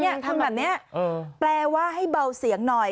ทำแบบนี้แปลว่าให้เบาเสียงหน่อย